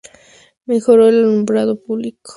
Mejoró el alumbrado público.